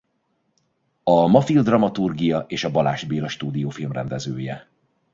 A Mafilm dramaturgja és a Balázs Béla Stúdió filmrendezője.